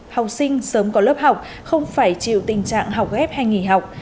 học sinh sớm có lớp học không phải chịu tình trạng học ghép hay nghỉ học